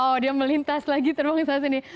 oh dia melintas lagi terbang ke sana sini